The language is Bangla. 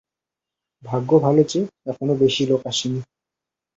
ভাগ্য ভালো যে, এখনো বেশি লোক আসেনি।